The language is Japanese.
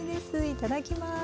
いただきます。